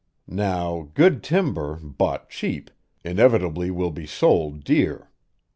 Now, good timber, bought cheap, inevitably will be sold dear.